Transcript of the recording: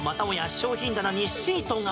商品棚にシートが。